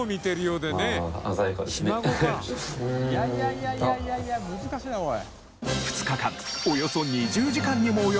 いやいやいやいや難しいなおい。